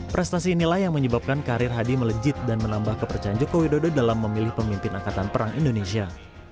prestasi inilah yang menyebabkan karir hadi melejit dan menambah kepercayaan joko widodo dalam memilih pemimpin angkatan perang indonesia